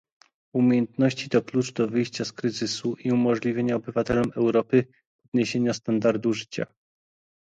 Umiejętności to klucz do wyjścia z kryzysu i umożliwienia obywatelom Europy podniesienia standardu życia